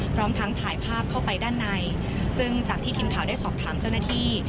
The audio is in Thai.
พร้อมทั้งถ่ายภาพเข้าไปด้านในซึ่งจากที่ทีมข่าวได้สอบถามเจ้าหน้าที่